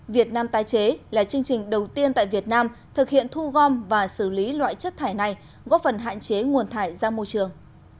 việt nam tái chế là chương trình đầu tiên tại việt nam thực hiện thu gom và xử lý loại chất thải này góp phần hạn chế nguồn thải ra môi trường